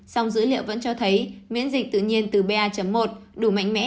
song dữ liệu vẫn cho thấy miễn dịch tự nhiên từ ba một đủ mạnh mẽ để chống lại ba hai